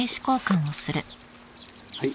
はい。